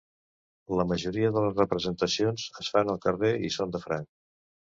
La majoria de les representacions es fan al carrer i són de franc.